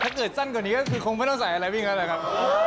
ถ้าเกิดสั้นกว่านี้ก็คงไม่ต้องใส่อะไรวิ่งแล้วเลยครับ